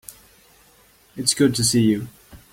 It's good to see you.